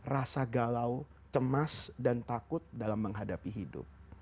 rasa galau cemas dan takut dalam menghadapi hidup